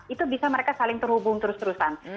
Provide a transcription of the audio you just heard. itu bisa mereka saling terhubung terus terusan